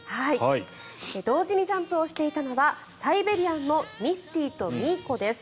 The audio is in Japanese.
同時にジャンプをしていたのはサイベリアンのミスティとミーコです。